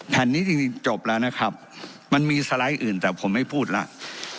แผ่นนี้จริงจบแล้วนะครับมันมีสไลด์อื่นแต่ผมไม่พูดแล้ว